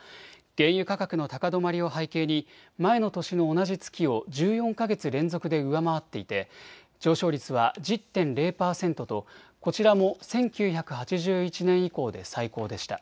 原油価格の高止まりを背景に前の年の同じ月を１４か月連続で上回っていて上昇率は１０．０％とこちらも１９８１年以降で最高でした。